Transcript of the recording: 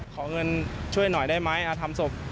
ขอเงินช่วยหน่อยได้ไหมทำศพ